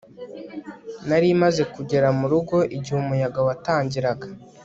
Nari maze kugera mu rugo igihe umuyaga watangiraga